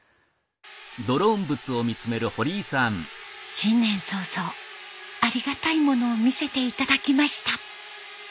新年早々ありがたいものを見せて頂きました。